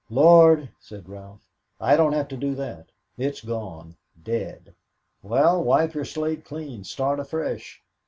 "Lord," said Ralph, "I don't have to do that it's gone dead." "Well, wipe your slate clean, start afresh.